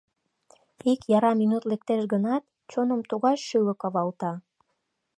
Ик яра минут лектеш гынат, чоным тугай шӱлык авалта.